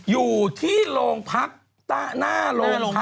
อยู่ที่โรงพักหน้าโรงพัก